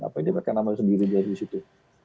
apanya dia pakai nama sendiri dari situ